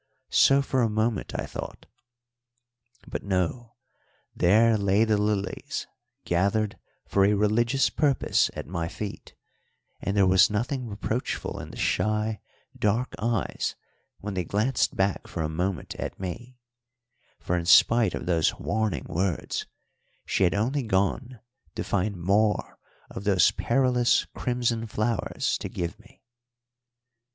So for a moment I thought. But no, there lay the lilies gathered for a religious purpose at my feet, and there was nothing reproachful in the shy, dark eyes when they glanced back for a moment at me; for, in spite of those warning words, she had only gone to find more of those perilous crimson flowers to give me.